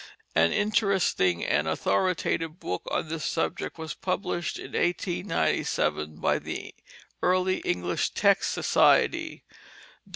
An interesting and authoritative book on this subject was published in 1897 by the Early English Text Society. Dr.